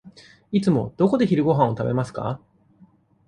いつもどこで昼ごはんを食べますか。